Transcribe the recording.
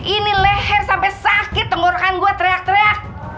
ini leher sampai sakit tenggorokan gue teriak teriak